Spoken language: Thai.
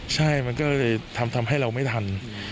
ใช่มันก็เลยทำให้เราไม่ทัน